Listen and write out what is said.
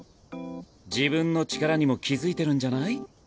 自分の力にも気付いてるんじゃない？